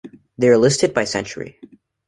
They are listed by century.